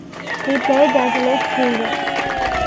He played as a left winger.